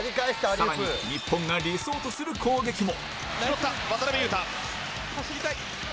更に日本が理想とする攻撃も。